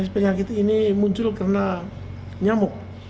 penyakit ini muncul karena nyamuk